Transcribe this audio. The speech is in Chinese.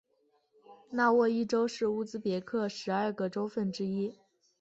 纳沃伊州是乌兹别克十二个州份之一。